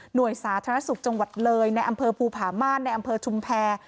โดยสาธารณสุขจังหวัดเลยในอำเภอภูผาม่านในอำเภอชุมแพร